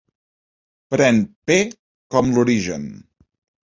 Pren "P" com l'origen.